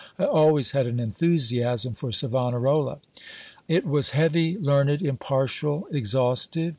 (I always had an enthusiasm for Savonarola.) It was heavy, learned, impartial, exhaustive.